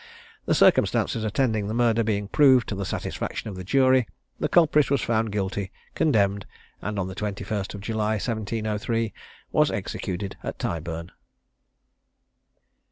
The circumstances attending the murder being proved to the satisfaction of the jury, the culprit was found guilty, condemned, and, on the 21st of July, 1703, was executed at Tyburn.